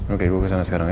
oke gue kesana sekarang ya